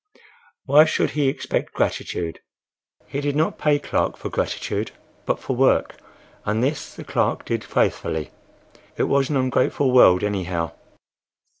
Why should he expect gratitude? He did not pay Clark for gratitude, but for work, and this the clerk did faithfully. It was an ungrateful world, anyhow.